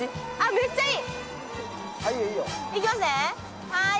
めっちゃいい。